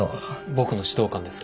僕の指導官です。